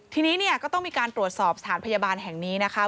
ทีนี้เนี่ยก็ต้องมีการตรวจสอบสถานพยาบาลแห่งนี้นะคะ